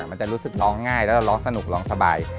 มันจะรู้สึกร้องง่ายแล้วเราร้องสนุกร้องสบาย